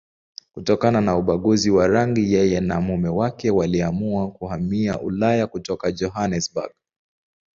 Kutokana na ubaguzi wa rangi, yeye na mume wake waliamua kuhamia Ulaya kutoka Johannesburg.